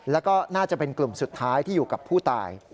แล้วก็น่าจะเป็นกลุ่มสุดท้ายที่อยู่กับผู้ตาย